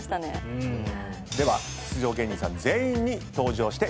では出場芸人さん全員に登場していただきましょう。